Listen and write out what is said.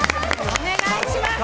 お願いします。